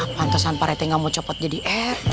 pantesan parete gak mau copot jadi rt